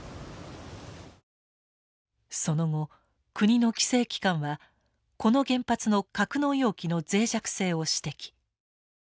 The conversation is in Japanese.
その後国の規制機関はこの原発の格納容器の脆弱性を指摘。